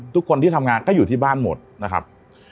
ทุกคนที่ทำงานก็อยู่ที่บ้านหมดนะครับ